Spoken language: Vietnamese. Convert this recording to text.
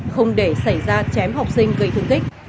không để xảy ra chém học sinh gây thương tích